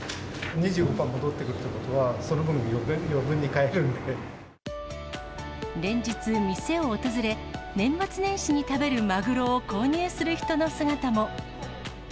２５％戻ってくるということは、その分、連日、店を訪れ、年末年始に食べるマグロを購入する人の姿も。